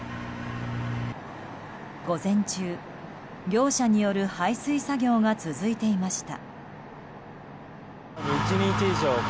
午前中、業者による排水作業が続いていました。